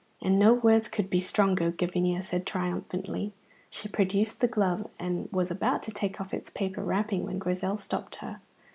"And no words could be stronger," Gavinia said triumphantly. She produced the glove, and was about to take off its paper wrapping when Grizel stopped her.